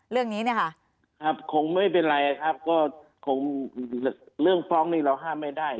เรื่องนี้เนี่ยค่ะครับคงไม่เป็นไรครับก็คงเรื่องฟ้องนี่เราห้ามไม่ได้